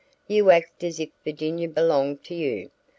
"You act as if Virginia belonged to you.